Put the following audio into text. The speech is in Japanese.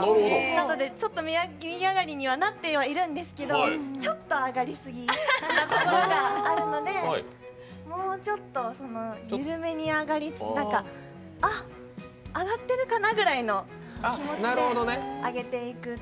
なので、ちょっと右上がりにはなってはいるんですけどちょっと上がりすぎなところがあるのでもうちょっと緩めに上がりつつ「あ、上がってるかな？」ぐらいの感じで上がっていくと。